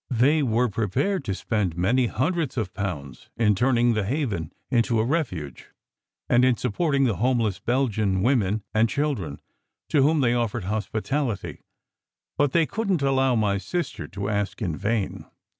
They were prepared to spend many hun dreds of pounds in turning "The Haven" into a refuge, and in supporting the homeless Belgian women and chil dren to whom they offered hospitality, but they couldn t allow my sister to ask in vain.